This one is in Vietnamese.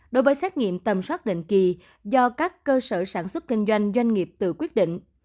đối với xét nghiệm tầm soát định kỳ do các cơ sở sản xuất kinh doanh doanh nghiệp tự quyết định